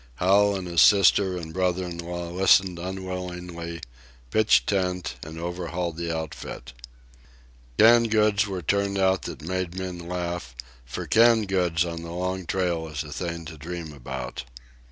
Hal and his sister and brother in law listened unwillingly, pitched tent, and overhauled the outfit. Canned goods were turned out that made men laugh, for canned goods on the Long Trail is a thing to dream about.